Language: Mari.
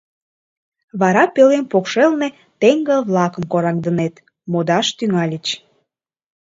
Вара пӧлем покшелне теҥгыл-влакым кораҥдынет, модаш тӱҥальыч.